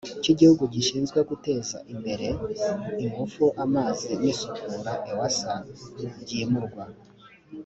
cy igihugu gishinzwe guteza imbere ingufu amazi n isukura ewsa byimurwa